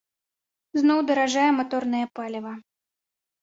Зноў даражэе маторнае паліва.